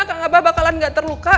kang abah bakalan gak terluka